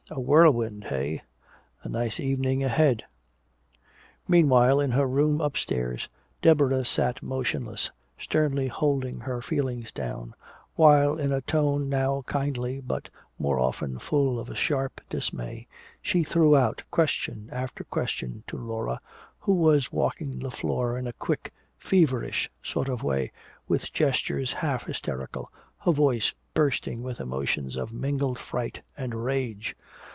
A whirlwind, eh a nice evening ahead! Meanwhile, in her room upstairs Deborah sat motionless, sternly holding her feelings down, while in a tone now kindly but more often full of a sharp dismay, she threw out question after question to Laura who was walking the floor in a quick, feverish sort of way, with gestures half hysterical, her voice bursting with emotions of mingled fright and rage.